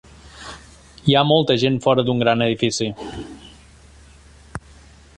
Hi ha molta gent fora d'un gran edifici.